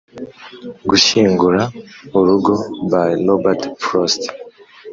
"gushyingura urugo" by robert frost